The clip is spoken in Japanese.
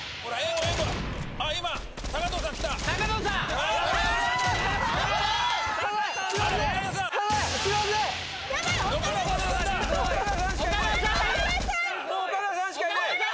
オカダさんしかいない！